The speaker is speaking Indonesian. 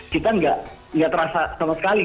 kita nggak terasa sama sekali